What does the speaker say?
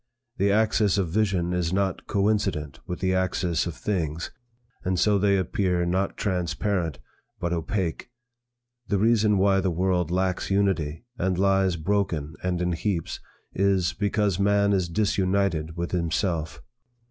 The axis of vision is not coincident with the axis of things, and so they appear not transparent but opake. The reason why the world lacks unity, and lies broken and in heaps, is, because man is disunited with himself.